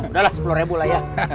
udah lah sepuluh lah ya